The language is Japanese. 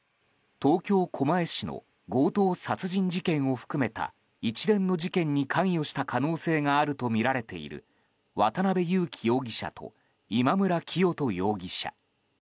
東京・狛江市の強盗殺人事件を含めた一連の事件に関与した可能性があるとみられている渡邉優樹容疑者と今村磨人容疑者。